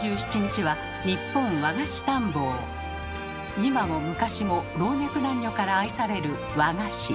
今も昔も老若男女から愛される和菓子。